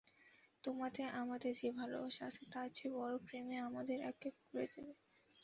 তোমাতে আমাতে যে ভালোবাসা আছে তার চেয়ে বড়ো প্রেমে আমাদের এক করে দেবে।